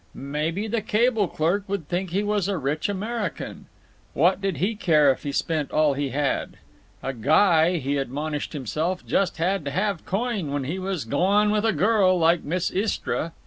Maybe the cable clerk would think he was a rich American. What did he care if he spent all he had? A guy, he admonished himself, just had to have coin when he was goin' with a girl like Miss Istra.